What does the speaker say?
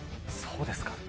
そうですか。